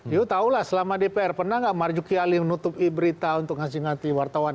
ya tahulah selama dpr pernah nggak marjokis ali menutupi berita untuk ngasih ngasih wartawan